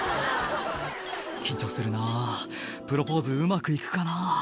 「緊張するなプロポーズうまく行くかな」